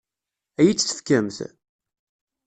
Ad iyi-tt-tefkemt?